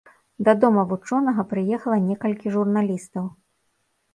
Да дома вучонага прыехала некалькі журналістаў.